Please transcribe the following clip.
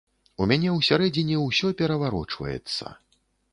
У мяне ўсярэдзіне ўсё пераварочваецца.